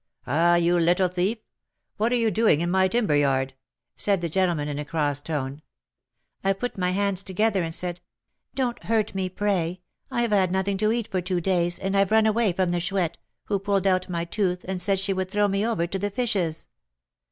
'Ah, you little thief! what are you doing in my timber yard?' said the gentleman, in a cross tone. I put my hands together and said, 'Don't hurt me, pray. I have had nothing to eat for two days, and I've run away from the Chouette, who pulled out my tooth, and said she would throw me over to the fishes.